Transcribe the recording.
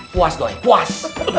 puas doi puas